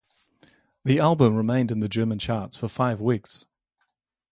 The album remained in the German charts for five weeks.